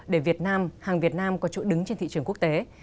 để việt nam hàng việt nam có chỗ đứng trên thị trường quốc tế